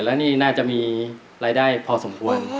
แล้วนี่น่าจะมีรายได้พอสมควร